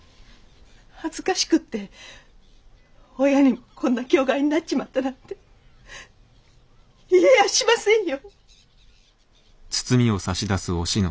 恥ずかしくって親にもこんな境涯になっちまったなんて言えやしませんよ！